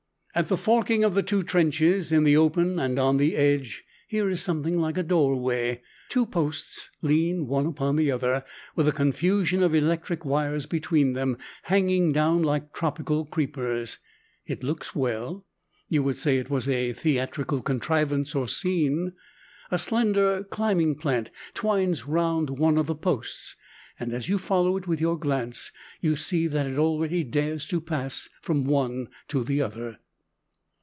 At the forking of the two trenches, in the open and on the edge, here is something like a doorway. Two posts lean one upon the other, with a confusion of electric wires between them, hanging down like tropical creepers. It looks well. You would say it was a theatrical contrivance or scene. A slender climbing plant twines round one of the posts, and as you follow it with your glance, you see that it already dares to pass from one to the other.